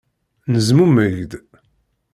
Nezmumeg-d.